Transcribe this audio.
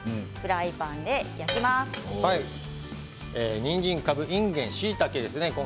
にんじん、かぶ、いんげんしいたけですね。